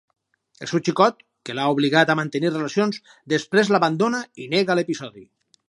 El seu xicot, que l'ha obligat a mantenir relacions, després l'abandona i nega l'episodi.